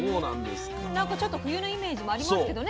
なんかちょっと冬のイメージもありますけどね。